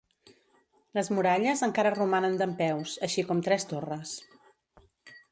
Les muralles encara romanen dempeus, així com tres torres.